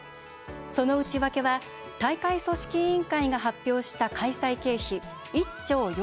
その内訳は大会組織委員会が発表した開催経費